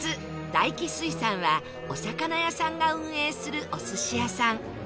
大起水産はお魚屋さんが運営するお寿司屋さん